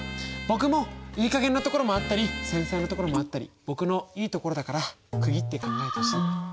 僕もいい加減なところもあったり繊細なところもあったり僕のいいところだから区切って考えてほしい。